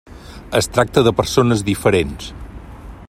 Es tracta de persones diferents.